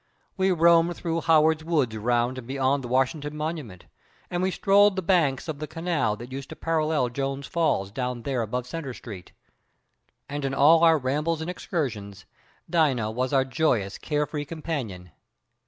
We roamed through Howard's woods around and beyond the Washington Monument, and we strolled the banks of the 'canal' that used to parallel Jones' Falls down there above Centre street. And in all our rambles and excursions Dina was our joyous, care free companion.